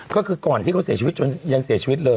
ก็คือก่อนที่เขาเสียชีวิตจนยังเสียชีวิตเลย